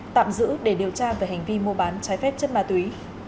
tạm giữ để điều tra về hành vi mua bán trái phép chất ma túy